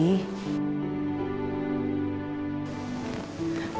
kamu jangan ngerasa bersalah begini rizky